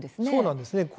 そうなんですね